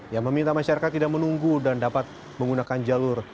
yang meminta masyarakat tidak menunggu dan dapat menggunakan jalur